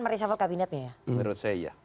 meresafel kabinetnya ya menurut saya iya